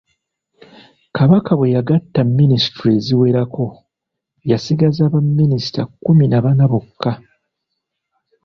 Kabaka bwe yagatta minisitule eziwerako yasigaza ba minisita kkumi na bana bokka.